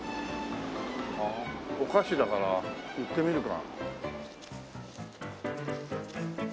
お菓子だから行ってみるか。